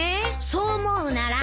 そう思うなら。